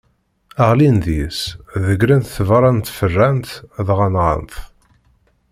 Ɣlin deg-s, ḍeggren-t beṛṛa n tfeṛṛant dɣa nɣan-t.